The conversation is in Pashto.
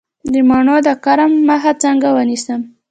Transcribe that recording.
د مڼو د کرم مخه څنګه ونیسم؟